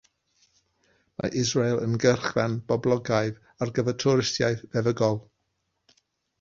Mae Israel yn gyrchfan boblogaidd ar gyfer twristiaeth feddygol.